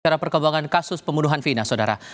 secara perkembangan kasus pembunuhan vina saudara